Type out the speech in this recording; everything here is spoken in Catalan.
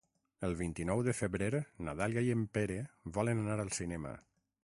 El vint-i-nou de febrer na Dàlia i en Pere volen anar al cinema.